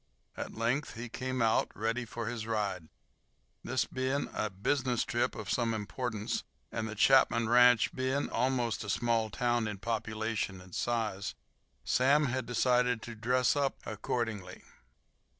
At length he came out, ready for his ride. This being a business trip of some importance, and the Chapman ranch being almost a small town in population and size, Sam had decided to "dress up" accordingly.